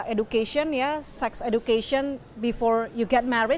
education seks sebelum kamu berkahwin